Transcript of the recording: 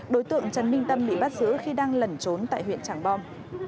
đối tượng trần minh tâm bị bắt giữ khi đang lẩn trốn tại huyện trảng bom